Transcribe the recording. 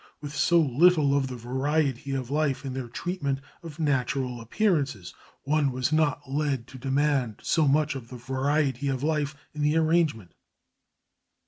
With so little of the variety of life in their treatment of natural appearances, one was not led to demand so much of the variety of life in the arrangement.